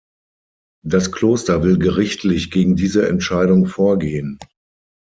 Das Kloster will gerichtlich gegen diese Entscheidung vorgehen.